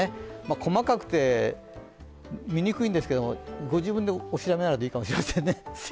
細かくて、見にくいんですけどご自分でお調べになるといいかもしれませんね。